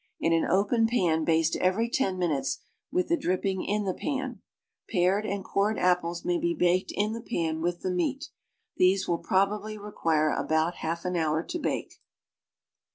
In an open pan baste every ten minutes with the dripping in the pan. Pared and cored apples may be baked in the pan with the meat. These will probably require .ibout half an hour to bake.